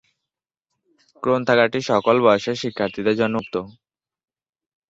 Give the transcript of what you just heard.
গ্রন্থাগারটি সকল বয়সের শিক্ষার্থীদের জন্য উন্মুক্ত।